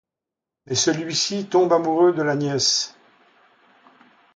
Mais celui-ci tombe amoureux de la nièce...